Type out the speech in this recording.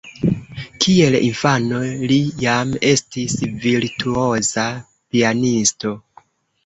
Kiel infano, li jam estis virtuoza pianisto.